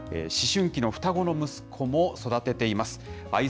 思春期の双子の息子も育てています。